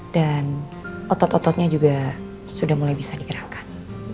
dan otot ototnya juga sudah mulai bisa dikerangkan